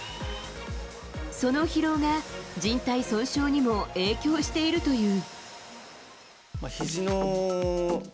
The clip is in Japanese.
その疲労が、じん帯損傷にも影響しているという。